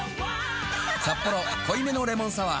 「サッポロ濃いめのレモンサワー」